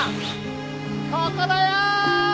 ここだよー！